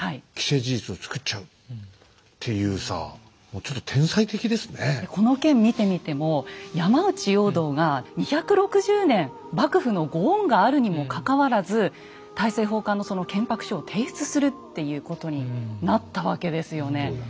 いやほんとにその相手にこの件見てみても山内容堂が２６０年幕府のご恩があるにもかかわらず大政奉還のその建白書を提出するっていうことになったわけですよね。